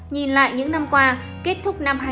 nhìn lại những năm qua kết thúc năm hai nghìn hai mươi